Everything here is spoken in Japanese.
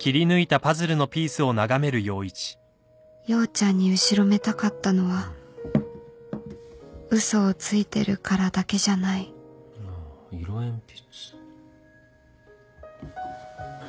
陽ちゃんに後ろめたかったのは嘘をついてるからだけじゃないああ色鉛筆。